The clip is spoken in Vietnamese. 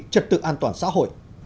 trật tự an toàn xã hội